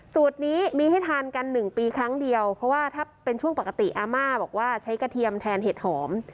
สูตรนี้มีให้ทานกัน๑ปีครั้งเดียวเพราะว่าถ้าเป็นช่วงปกติอาม่าบอกว่าใช้กระเทียมแทนเห็ดหอม